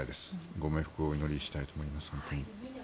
ご冥福をお祈りしたいと思います。